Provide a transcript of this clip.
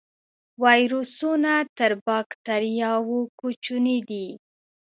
ویروسونه تر بکتریاوو کوچني دي